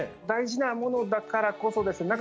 大事なものだからこそです。